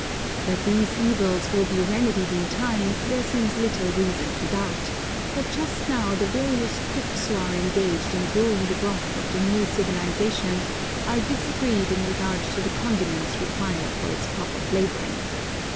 That these evils will be remedied in time, there seems little reason to doubt, but just now the various cooks who are engaged in brewing the broth of the new civilization are disagreed in regard to the condiments required for its proper flavoring.